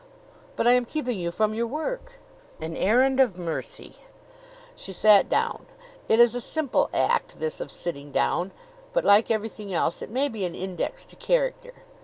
"But I am keeping you from your work." "An errand of mercy." She sat down. It is a simple act, this of sitting down; but, like everything else, it may be an index to character.